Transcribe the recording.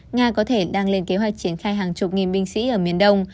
nga có thể đang lên kế hoạch triển khai hàng chục nghìn binh sĩ ở miền đông